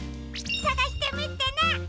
さがしてみてね！